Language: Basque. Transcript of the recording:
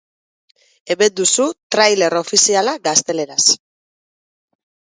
Hemen duzu trailer ofiziala gazteleraz.